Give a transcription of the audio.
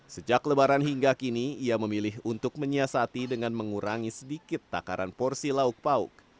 sejak lebaran hingga kini ia memilih untuk menyiasati dengan mengurangi sedikit takaran porsi lauk pauk